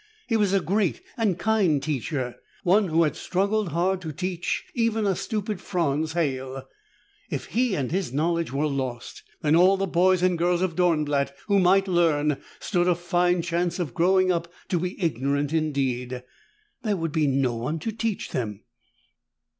He was a great and kind teacher, one who had struggled hard to teach even a stupid Franz Halle. If he and his knowledge were lost, then all the boys and girls of Dornblatt who might learn stood a fine chance of growing up to be ignorant indeed. There would be no one to teach them.